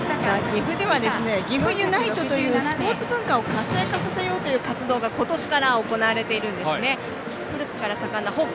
岐阜ではＧＩＦＵＮＩＴＥというスポーツ文化を活性化させようという活動が今年から行われています。